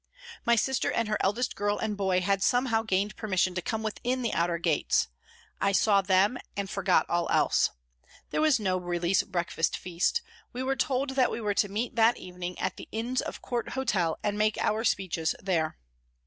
My sister and her eldest girl and boy had somehow gained permission to come within the outer gates. I saw them and forgot all else. There was no release breakfast feast ; we were told that we were to meet that evening at the Inns of Court Hotel and make our speeches there.